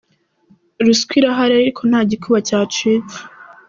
Ruswa irahari ariko nta gikuba cyacitse “.